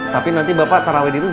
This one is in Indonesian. tapi nanti bapak terawai di rumah